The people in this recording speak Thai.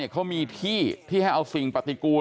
เขามีที่ที่ให้เอาสิ่งปฏิกูล